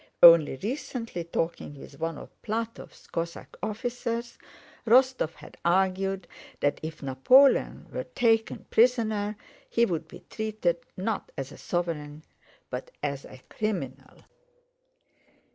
Only recently, talking with one of Plátov's Cossack officers, Rostóv had argued that if Napoleon were taken prisoner he would be treated not as a sovereign, but as a criminal.